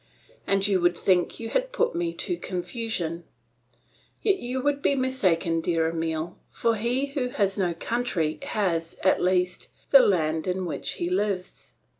And you would think you had put me to confusion. Yet you would be mistaken, dear Emile, for he who has no country has, at least, the land in which he lives.